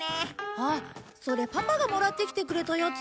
あっそれパパがもらってきてくれたやつ。